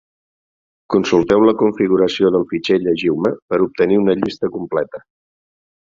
Consulteu la configuració del fitxer Llegiu-me per obtenir una llista completa.